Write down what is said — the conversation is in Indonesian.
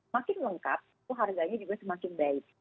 makin lengkap itu harganya juga semakin baik